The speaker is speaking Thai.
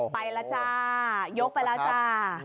ไปแล้วจ้ายกไปแล้วจ้า